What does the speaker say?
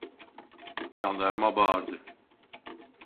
Jandarma bağırdı: